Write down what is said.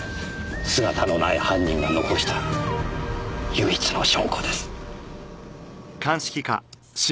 姿のない犯人が残した唯一の証拠です。